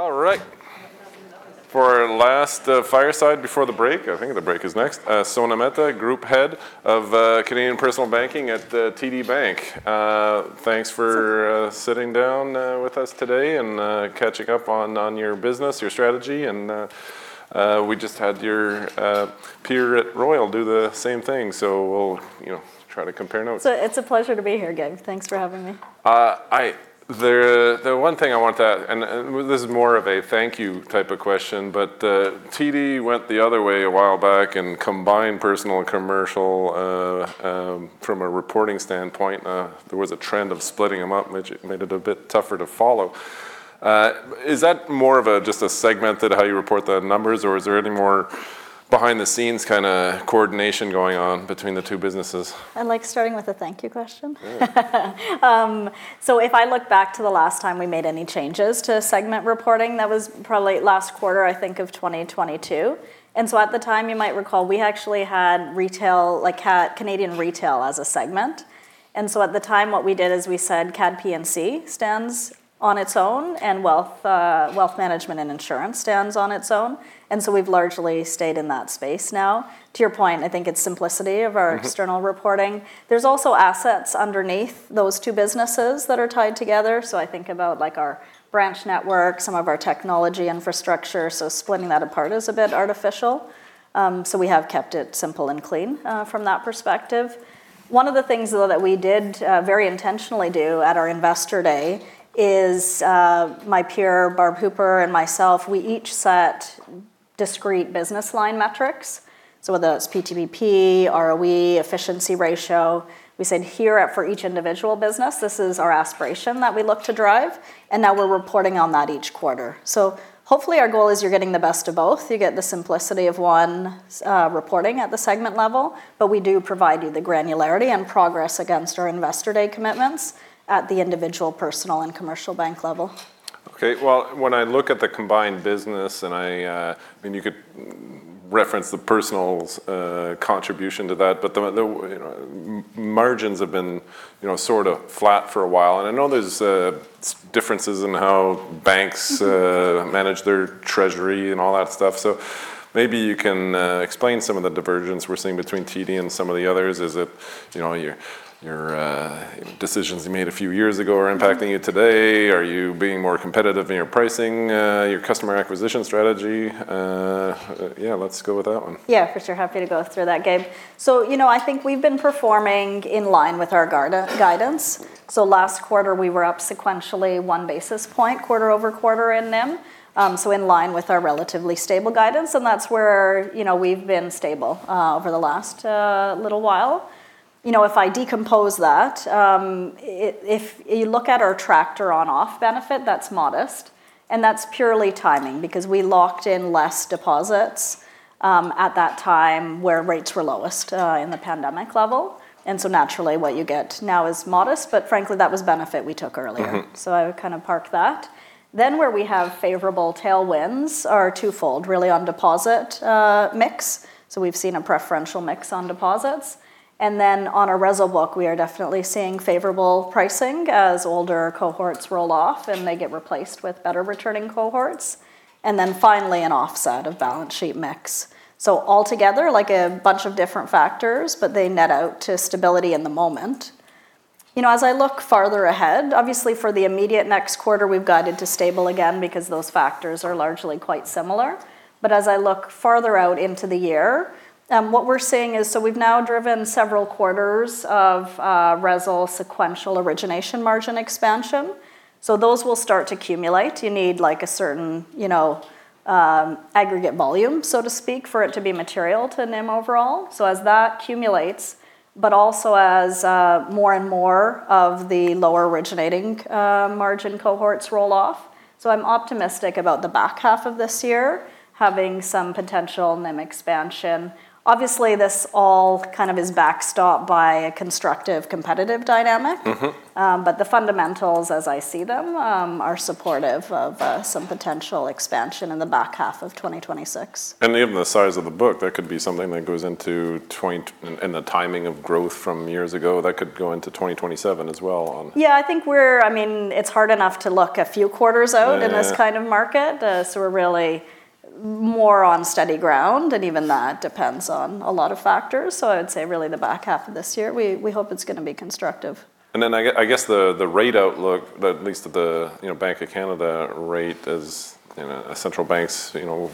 All right. For our last fireside before the break. I think the break is next. Sona Mehta, Group Head of Canadian Personal Banking at TD Bank. Thanks for- It's okay. Sitting down with us today and catching up on your business, your strategy. We just had your peer at Royal do the same thing, so we'll, you know, try to compare notes. It's a pleasure to be here, Gabe. Thanks for having me. This is more of a thank you type of question, but TD went the other way a while back and combined personal and commercial from a reporting standpoint. There was a trend of splitting them up, which made it a bit tougher to follow. Is that more of a just a segment that how you report the numbers, or is there any more behind-the-scenes kind of coordination going on between the two businesses? I like starting with a thank you question. Yeah. If I look back to the last time we made any changes to segment reporting, that was probably last quarter, I think, of 2022. At the time, you might recall, we actually had retail, like Canadian retail as a segment. At the time, what we did is we said Canadian P&C stands on its own and wealth management and insurance stands on its own. We've largely stayed in that space now. To your point, I think it's simplicity of our external reporting. There's also assets underneath those two businesses that are tied together. I think about, like, our branch network, some of our technology infrastructure, so splitting that apart is a bit artificial. We have kept it simple and clean, from that perspective. One of the things though that we did very intentionally do at our Investor Day is, my peer, Barbara Hooper, and myself, we each set discrete business line metrics. Whether that's PTPP, ROE, efficiency ratio, we said here at, for each individual business, this is our aspiration that we look to drive, and now we're reporting on that each quarter. Hopefully, our goal is you're getting the best of both. You get the simplicity of one, reporting at the segment level, but we do provide you the granularity and progress against our Investor Day commitments at the individual personal and commercial bank level. Okay. Well, when I look at the combined business, I mean, you could reference the Personal's contribution to that, but the you know, margins have been you know, sort of flat for a while. I know there's differences in how banks, maybe you can explain some of the divergence we're seeing between TD and some of the others. Is it, you know, your decisions you made a few years ago are impacting you today? Are you being more competitive in your pricing, your customer acquisition strategy? Yeah, let's go with that one. Yeah, for sure. Happy to go through that, Gabe. You know, I think we've been performing in line with our guidance. Last quarter, we were up sequentially one basis point quarter over quarter in NIM, so in line with our relatively stable guidance, and that's where, you know, we've been stable over the last little while. You know, if I decompose that, if you look at our tractor on/off benefit, that's modest, and that's purely timing because we locked in less deposits at that time where rates were lowest in the pandemic level. Naturally, what you get now is modest, but frankly, that was benefit we took earlier. Mm-hmm. I would kind of park that. Where we have favorable tailwinds are twofold, really on deposit mix. We've seen a preferential mix on deposits. On our RESL book, we are definitely seeing favorable pricing as older cohorts roll off, and they get replaced with better returning cohorts. Finally, an offset of balance sheet mix. Altogether, like a bunch of different factors, but they net out to stability in the moment. You know, as I look farther ahead, obviously for the immediate next quarter, we've guided to stable again because those factors are largely quite similar. As I look farther out into the year, what we're seeing is, we've now driven several quarters of RESL sequential origination margin expansion. Those will start to accumulate. You need like a certain, you know, aggregate volume, so to speak, for it to be material to NIM overall as that accumulates, but also as more and more of the lower originating margin cohorts roll off. I'm optimistic about the back half of this year having some potential NIM expansion. Obviously, this all kind of is backstopped by a constructive competitive dynamic. Mm-hmm. The fundamentals, as I see them, are supportive of some potential expansion in the back half of 2026. Even the size of the book, that could be something that goes into 2027. The timing of growth from years ago, that could go into 2027 as well on. I mean, it's hard enough to look a few quarters out. Yeah in this kind of market. We're really more on steady ground, and even that depends on a lot of factors. I would say really the back half of this year, we hope it's gonna be constructive. I guess the rate outlook that leads to the, you know, Bank of Canada rate as, you know, a central bank's, you know.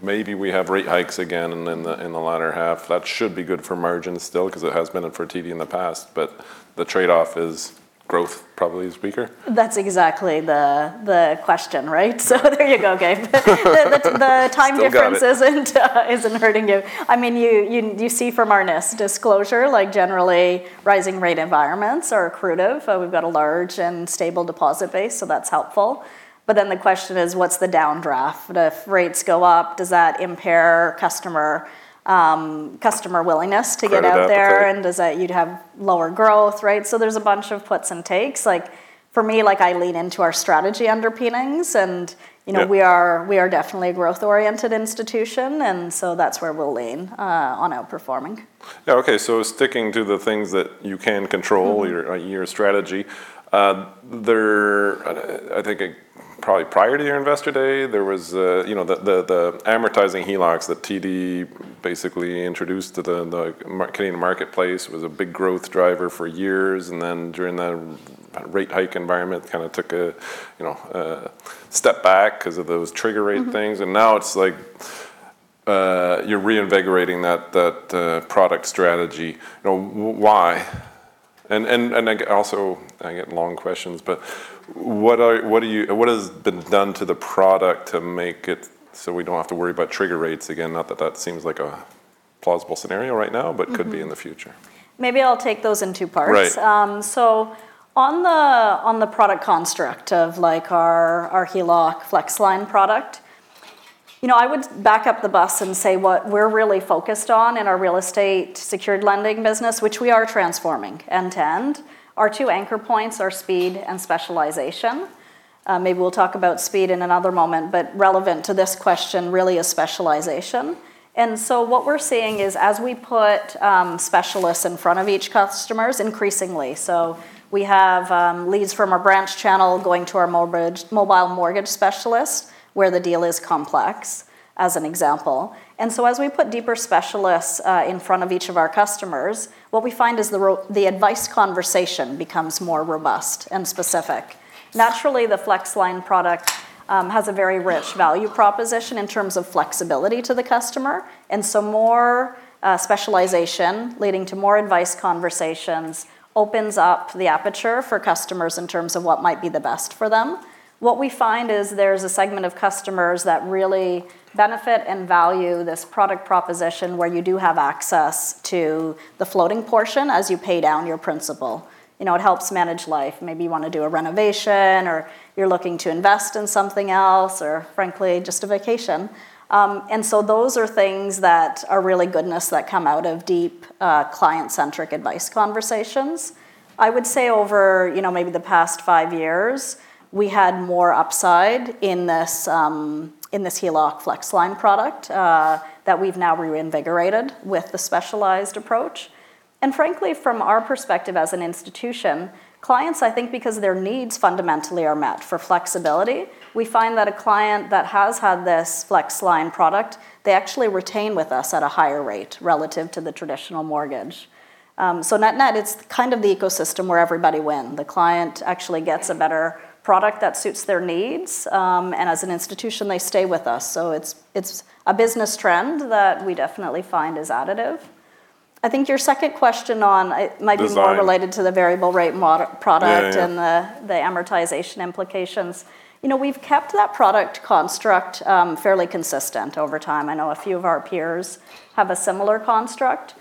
Maybe we have rate hikes again in the latter half. That should be good for margins still because it has been for TD in the past. The trade-off is growth probably is weaker. That's exactly the question, right? There you go, Gabe. The time difference isn't hurting you. I mean, you see from our NIIS disclosure, like generally, rising rate environments are accretive. We've got a large and stable deposit base, so that's helpful. The question is, what's the downdraft? If rates go up, does that impair customer willingness to get out there? Credit appetite. Does that? You'd have lower growth, right? There's a bunch of puts and takes. Like, for me, like I lean into our strategy underpinnings. You know, we are definitely a growth-oriented institution, and so that's where we'll lean on outperforming. Yeah, okay. Sticking to the things that you can control. Mm-hmm. Your strategy. I think, probably prior to your Investor Day, there was, you know, the amortizing HELOCs that TD basically introduced to the Canadian marketplace. It was a big growth driver for years, and then during that rate hike environment, kind of took a, you know, a step back 'cause of those trigger rate things. Mm-hmm. Now it's like, you're reinvigorating that product strategy. You know, why? Also, I get long questions, but what are you. What has been done to the product to make it so we don't have to worry about trigger rates again? Not that that seems like a plausible scenario right now. Mm-hmm. Could be in the future. Maybe I'll take those in two parts. Right. On the product construct of, like, our HELOC FlexLine product, you know, I would back up the bus and say what we're really focused on in our real estate secured lending business, which we are transforming end-to-end, our two anchor points are speed and specialization. Maybe we'll talk about speed in another moment, but relevant to this question really is specialization. What we're seeing is, as we put, specialists in front of each customers increasingly. We have leads from our branch channel going to our mobile mortgage specialist where the deal is complex, as an example. As we put deeper specialists in front of each of our customers, what we find is the advice conversation becomes more robust and specific. Naturally, the FlexLine product has a very rich value proposition in terms of flexibility to the customer. More specialization leading to more advice conversations opens up the aperture for customers in terms of what might be the best for them. What we find is there's a segment of customers that really benefit and value this product proposition where you do have access to the floating portion as you pay down your principal. You know, it helps manage life. Maybe you wanna do a renovation, or you're looking to invest in something else or, frankly, just a vacation. Those are things that are really goodness that come out of deep, client-centric advice conversations. I would say over, you know, maybe the past five years, we had more upside in this in this HELOC FlexLine product that we've now reinvigorated with the specialized approach. Frankly, from our perspective as an institution, clients, I think because their needs fundamentally are met for flexibility, we find that a client that has had this FlexLine product, they actually retain with us at a higher rate relative to the traditional mortgage. Net-net, it's kind of the ecosystem where everybody win. The client actually gets a better product that suits their needs, and as an institution, they stay with us. It's a business trend that we definitely find is additive. I think your second question on it might be more related to the variable rate product, the amortization implications. You know, we've kept that product construct fairly consistent over time. I know a few of our peers have a similar construct.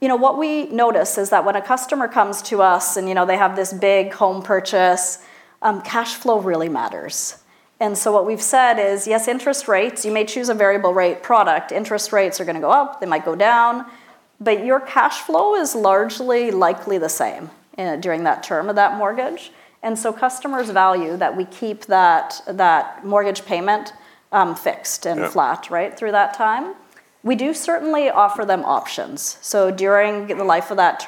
You know, what we notice is that when a customer comes to us and, you know, they have this big home purchase, cash flow really matters. What we've said is, yes, interest rates. You may choose a variable rate product. Interest rates are gonna go up. They might go down. Your cash flow is largely likely the same during that term of that mortgage. Customers value that we keep that mortgage payment fixed. Yeah flat, right, through that time. We do certainly offer them options. During the life of that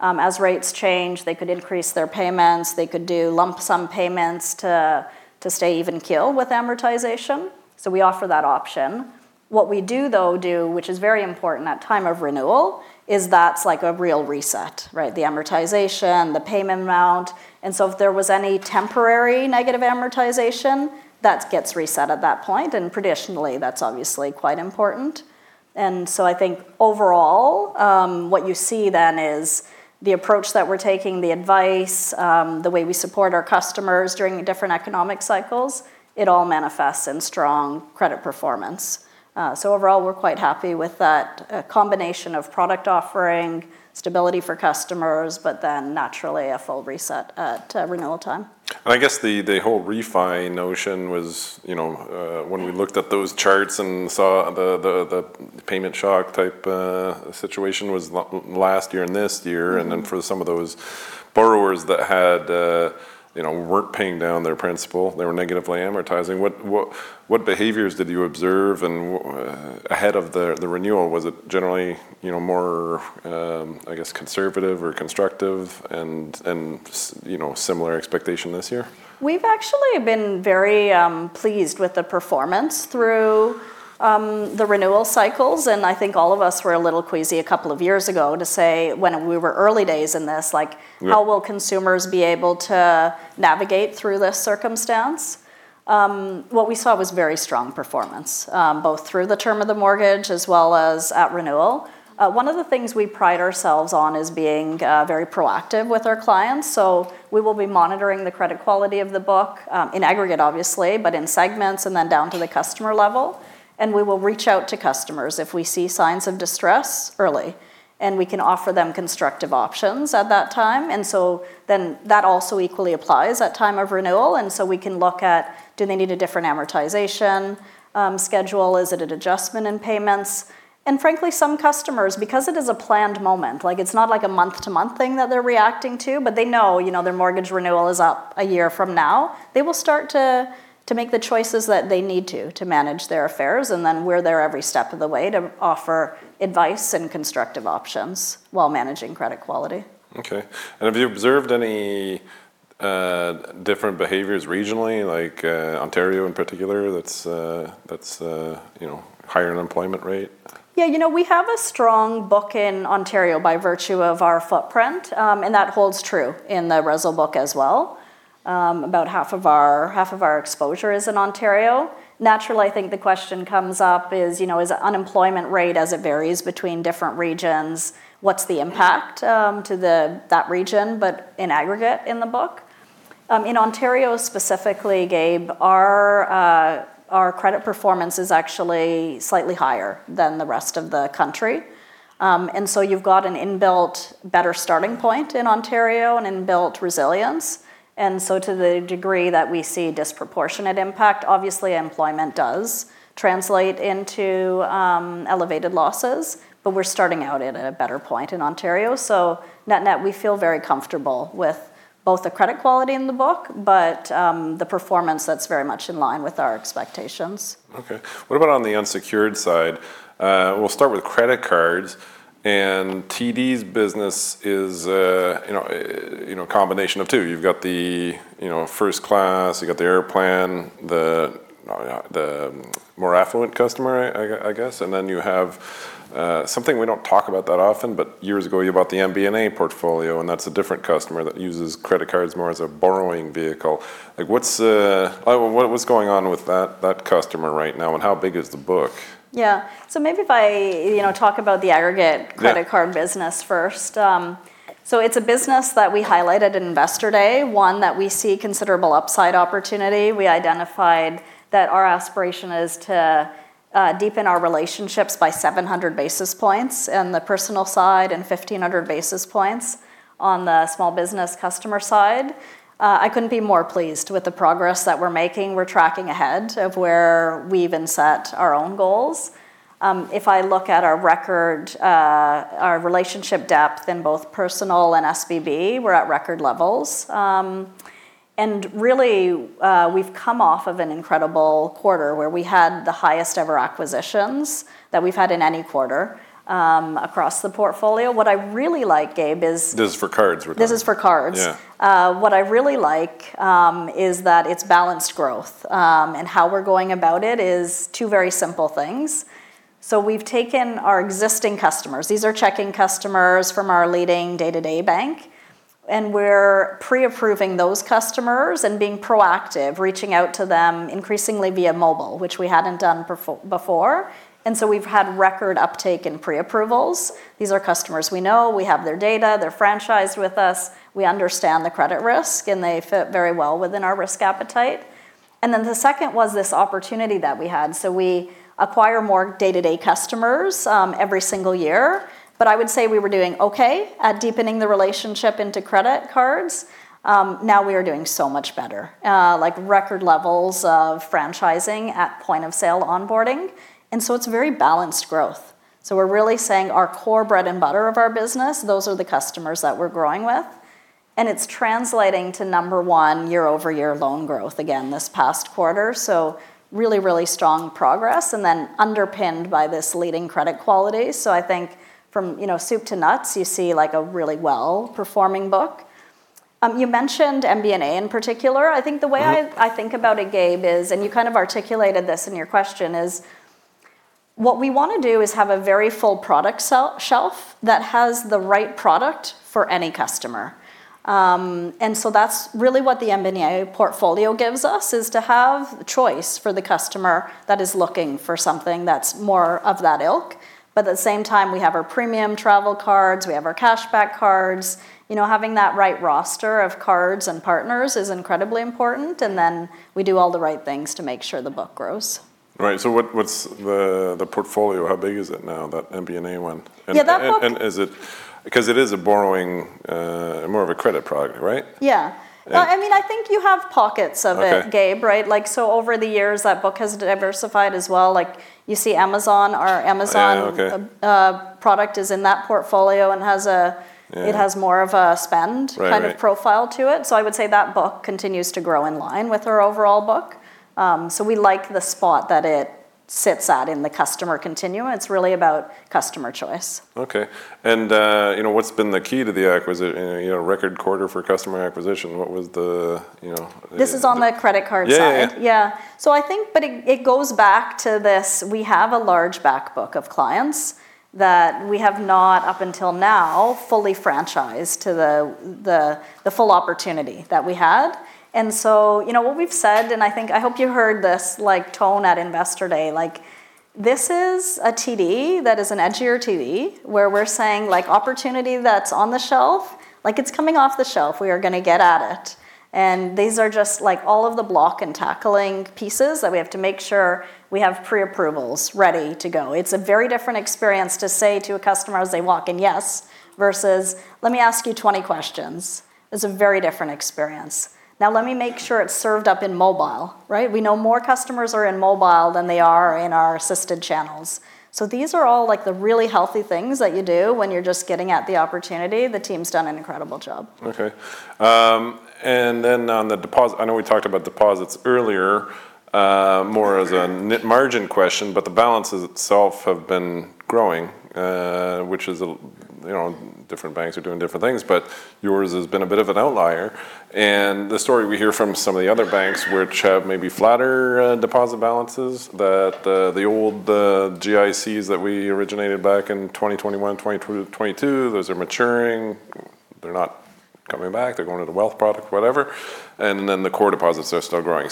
term, as rates change, they could increase their payments. They could do lump sum payments to stay even keel with amortization. We offer that option. What we do, though, which is very important at time of renewal, is that's like a real reset, right, the amortization, the payment amount. If there was any temporary negative amortization, that gets reset at that point, and traditionally, that's obviously quite important. I think overall, what you see then is the approach that we're taking, the advice, the way we support our customers during different economic cycles, it all manifests in strong credit performance. Overall, we're quite happy with that combination of product offering, stability for customers, but then naturally a full reset at renewal time. I guess the whole refi notion was, you know, when we looked at those charts and saw the payment shock type situation was last year and this year. Then for some of those borrowers that had, you know, weren't paying down their principal, they were negatively amortizing. What behaviors did you observe ahead of the renewal? Was it generally, you know, more, I guess conservative or constructive and, you know, similar expectation this year? We've actually been very pleased with the performance through the renewal cycles. I think all of us were a little queasy a couple of years ago to say when we were early days in this, like how will consumers be able to navigate through this circumstance? What we saw was very strong performance, both through the term of the mortgage as well as at renewal. One of the things we pride ourselves on is being very proactive with our clients. We will be monitoring the credit quality of the book, in aggregate obviously, but in segments and then down to the customer level, and we will reach out to customers if we see signs of distress early. We can offer them constructive options at that time. That also equally applies at time of renewal. We can look at do they need a different amortization schedule? Is it an adjustment in payments? Frankly, some customers, because it is a planned moment, like, it's not like a month-to-month thing that they're reacting to, but they know, you know, their mortgage renewal is up a year from now. They will start to make the choices that they need to manage their affairs. Then we're there every step of the way to offer advice and constructive options while managing credit quality. Okay. Have you observed any different behaviors regionally, like Ontario in particular that's you know higher unemployment rate? Yeah. You know, we have a strong book in Ontario by virtue of our footprint. That holds true in the RESL book as well. About 1/2 of our exposure is in Ontario. Naturally, I think the question comes up is, you know, is unemployment rate as it varies between different regions, what's the impact to the region, but in aggregate in the book? In Ontario specifically, Gabe, our credit performance is actually slightly higher than the rest of the country. You've got an inbuilt better starting point in Ontario, an inbuilt resilience. To the degree that we see disproportionate impact, obviously employment does translate into elevated losses. We're starting out at a better point in Ontario. Net net, we feel very comfortable with both the credit quality in the book, but the performance that's very much in line with our expectations. Okay. What about on the unsecured side? We'll start with credit cards. TD's business is a combination of two. You've got the first class, you've got the Aeroplan, the more affluent customer I guess, and then you have something we don't talk about that often, but years ago you bought the MBNA portfolio, and that's a different customer that uses credit cards more as a borrowing vehicle. Like, what's going on with that customer right now, and how big is the book? Yeah. Maybe if I, you know, talk about the aggregate credit card business first. It's a business that we highlighted at Investor Day, one that we see considerable upside opportunity. We identified that our aspiration is to deepen our relationships by 700 basis points in the personal side and 1,500 basis points on the small business customer side. I couldn't be more pleased with the progress that we're making. We're tracking ahead of where we even set our own goals. If I look at our record, our relationship depth in both personal and SBB, we're at record levels. Really, we've come off of an incredible quarter where we had the highest ever acquisitions that we've had in any quarter, across the portfolio. What I really like, Gabe, is This is for cards we're talking. This is for cards. Yeah. What I really like is that it's balanced growth, and how we're going about it is two very simple things. We've taken our existing customers. These are checking customers from our leading day-to-day bank, and we're pre-approving those customers and being proactive, reaching out to them increasingly via mobile, which we hadn't done before. We've had record uptake in pre-approvals. These are customers we know. We have their data. They're franchised with us. We understand the credit risk, and they fit very well within our risk appetite. Then the second was this opportunity that we had. We acquire more day-to-day customers every single year. I would say we were doing okay at deepening the relationship into credit cards. Now we are doing so much better, like record levels of franchising at point-of-sale onboarding. It's very balanced growth. We're really saying our core bread and butter of our business, those are the customers that we're growing with. It's translating to number one year-over-year loan growth again this past quarter. Really strong progress and then underpinned by this leading credit quality. I think from, you know, soup to nuts, you see like a really well-performing book. You mentioned MBNA in particular. I think the way, Gabe, and you kind of articulated this in your question, is what we wanna do is have a very full product shelf that has the right product for any customer. That's really what the MBNA portfolio gives us, is to have choice for the customer that is looking for something that's more of that ilk. But at the same time, we have our premium travel cards, we have our cashback cards. You know, having that right roster of cards and partners is incredibly important. Then we do all the right things to make sure the book grows. Right. What's the portfolio? How big is it now, that MBNA one? Is it 'cause it is a borrowing more of a credit product, right? Yeah. Yeah. No, I mean, I think you have pockets of it, Gabe, right? Like, over the years, that book has diversified as well. Like, you see Amazon product is in that portfolio and has more of a spend-kind of profile to it. I would say that book continues to grow in line with our overall book. We like the spot that it sits at in the customer continuum. It's really about customer choice. Okay. You know, what's been the key to the acquisition? You know, record quarter for customer acquisition. This is on the credit card side. Yeah, yeah. Yeah. I think it goes back to this. We have a large back book of clients that we have not up until now fully franchised to the full opportunity that we had. You know, what we've said, and I think I hope you heard this, like, tone at Investor Day, like, this is a TD that is an edgier TD, where we're saying, like, opportunity that's on the shelf, like, it's coming off the shelf. We are gonna get at it. These are just, like, all of the block-and-tackling pieces that we have to make sure we have pre-approvals ready to go. It's a very different experience to say to a customer as they walk in, "Yes," versus, "Let me ask you 20 questions." It's a very different experience. Now, let me make sure it's served up in mobile, right? We know more customers are in mobile than they are in our assisted channels. These are all, like, the really healthy things that you do when you're just getting at the opportunity. The team's done an incredible job. Okay. On the deposits I know we talked about deposits earlier, more as a net margin question, but the balances itself have been growing, which is, you know, different banks are doing different things, but yours has been a bit of an outlier. The story we hear from some of the other banks which have maybe flatter deposit balances that the old GICs that we originated back in 2021, 2022, those are maturing. They're not coming back. They're going to the wealth product, whatever. Then the core deposits are still growing.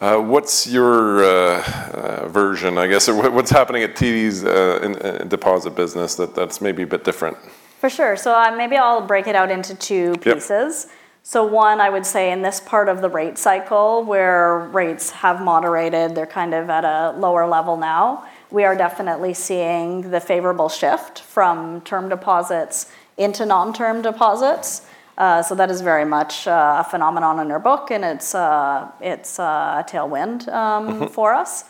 What's your version, I guess? Or what's happening at TD's in deposit business that's maybe a bit different? For sure. Maybe I'll break it out into two pieces. Yep. One, I would say in this part of the rate cycle where rates have moderated, they're kind of at a lower level now, we are definitely seeing the favorable shift from term deposits into non-term deposits. That is very much a phenomenon in our book, and it's a tailwind for us.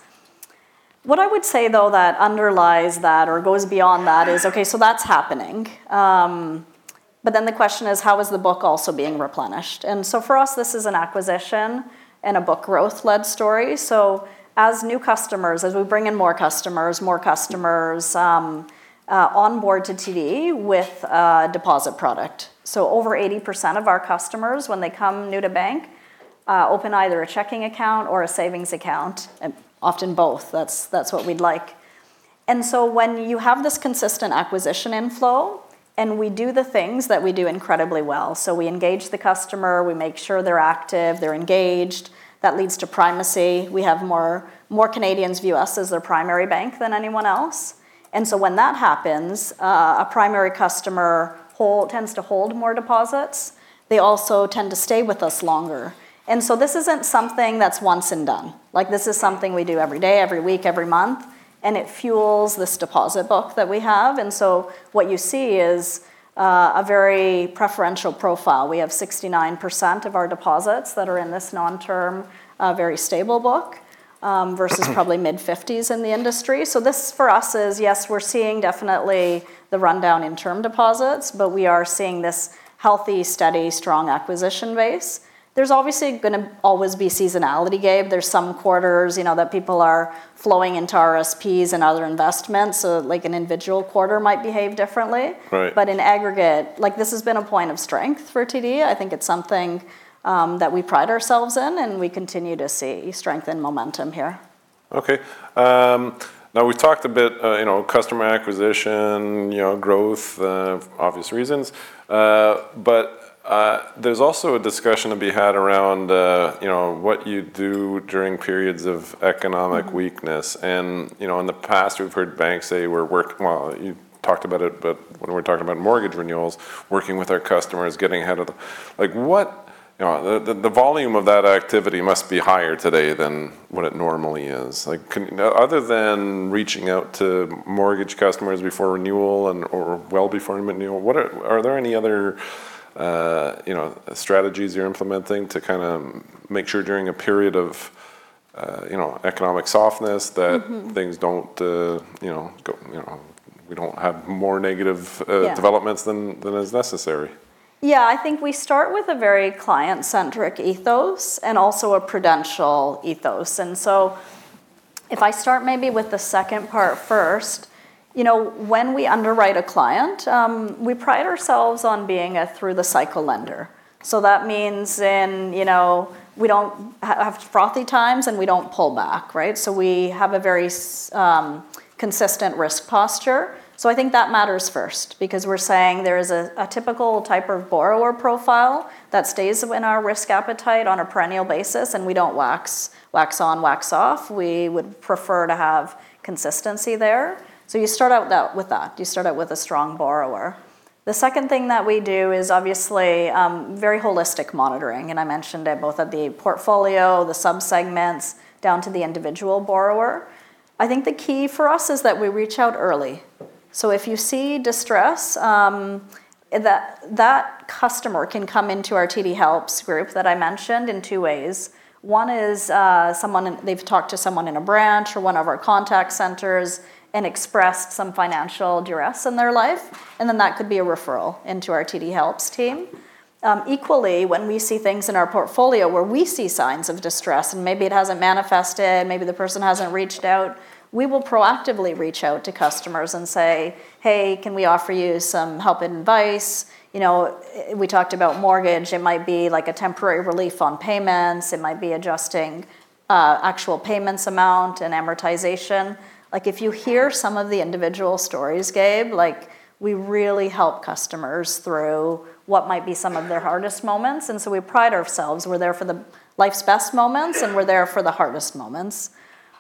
What I would say, though, that underlies that or goes beyond that is, okay, that's happening. The question is, how is the book also being replenished? For us, this is an acquisition and a book growth-led story. As new customers, as we bring in more customers, onboard to TD with a deposit product. Over 80% of our customers when they come new to bank, open either a checking account or a savings account, and often both. That's what we'd like. When you have this consistent acquisition inflow, and we do the things that we do incredibly well. We engage the customer, we make sure they're active, they're engaged. That leads to primacy. We have more Canadians view us as their primary bank than anyone else. When that happens, a primary customer tends to hold more deposits. They also tend to stay with us longer. This isn't something that's once and done. Like, this is something we do every day, every week, every month, and it fuels this deposit book that we have. What you see is a very preferential profile. We have 69% of our deposits that are in this non-term, very stable book, versus probably mid-fifties in the industry. This, for us, is, yes, we're seeing definitely the rundown in term deposits, but we are seeing this healthy, steady, strong acquisition base. There's obviously gonna always be seasonality, Gabe. There's some quarters, you know, that people are flowing into RSPs and other investments. Like, an individual quarter might behave differently in aggregate, like, this has been a point of strength for TD. I think it's something, that we pride ourselves in, and we continue to see strength and momentum here. Okay. Now we've talked a bit, you know, customer acquisition, you know, growth, for obvious reasons. There's also a discussion to be had around, you know, what you do during periods of economic weakness. You know, in the past, we've heard banks say Well, you talked about it, but when we're talking about mortgage renewals, working with our customers, getting ahead of the. Like, what. You know, the volume of that activity must be higher today than what it normally is. Like, can you. Other than reaching out to mortgage customers before renewal and/or well before renewal, what are. Are there any other, you know, strategies you're implementing to kind of make sure during a period of, you know, economic softness that things don't, you know, go, you know. We don't have more negative developments than is necessary? Yeah. I think we start with a very client-centric ethos and also a prudential ethos. If I start maybe with the second part first, you know, when we underwrite a client, we pride ourselves on being a through-the-cycle lender. That means, you know, we don't have frothy times, and we don't pull back, right? We have a very consistent risk posture. I think that matters first because we're saying there is a typical type of borrower profile that stays within our risk appetite on a perennial basis, and we don't wax on, wax off. We would prefer to have consistency there. You start out with that. You start out with a strong borrower. The second thing that we do is obviously, very holistic monitoring, and I mentioned it both at the portfolio, the subsegments, down to the individual borrower. I think the key for us is that we reach out early. If you see distress, that customer can come into our TD Helps group that I mentioned in two ways. One is, they've talked to someone in a branch or one of our contact centers and expressed some financial duress in their life, and then that could be a referral into our TD Helps team. Equally, when we see things in our portfolio where we see signs of distress, and maybe it hasn't manifested, maybe the person hasn't reached out, we will proactively reach out to customers and say, "Hey, can we offer you some help and advice?" You know, we talked about mortgage. It might be, like, a temporary relief on payments. It might be adjusting actual payments amount and amortization. Like, if you hear some of the individual stories, Gabe, like, we really help customers through what might be some of their hardest moments. We pride ourselves. We're there for the life's best moments, and we're there for the hardest moments.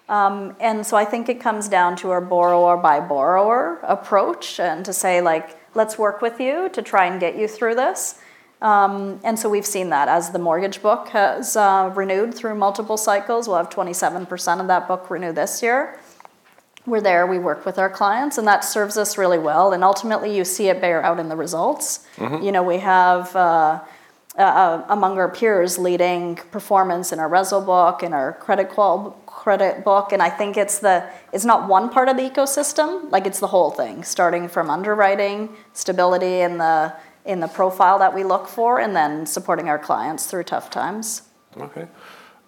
I think it comes down to our borrower-by-borrower approach and to say, like, "Let's work with you to try and get you through this." We've seen that. As the mortgage book has renewed through multiple cycles, we'll have 27% of that book renew this year. We're there. We work with our clients, and that serves us really well. Ultimately, you see it bear out in the results. Mm-hmm. You know, we have, among our peers, leading performance in our RESL book, in our credit book, and I think it's the. It's not one part of the ecosystem. Like, it's the whole thing, starting from underwriting, stability in the profile that we look for, and then supporting our clients through tough times. Okay.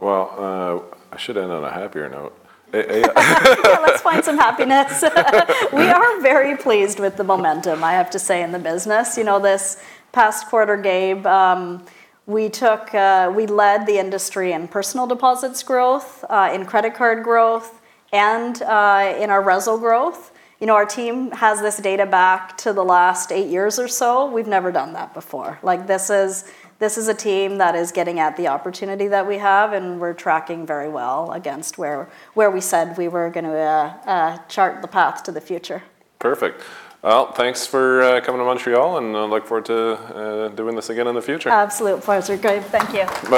Well, I should end on a happier note. Yeah, let's find some happiness. We are very pleased with the momentum, I have to say, in the business. You know, this past quarter, Gabe, we led the industry in personal deposits growth, in credit card growth, and in our RESL growth. You know, our team has this data back to the last eight years or so. We've never done that before. Like, this is a team that is getting at the opportunity that we have, and we're tracking very well against where we said we were gonna chart the path to the future. Perfect. Well, thanks for coming to Montreal, and I look forward to doing this again in the future. Absolute pleasure, Gabe. Thank you.